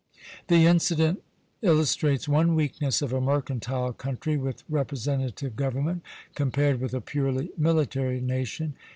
The incident illustrates one weakness of a mercantile country with representative government, compared with a purely military nation.